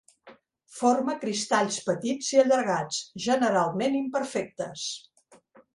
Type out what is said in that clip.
Forma cristalls petits i allargats, generalment imperfectes.